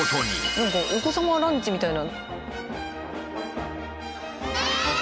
何かお子様ランチみたいな。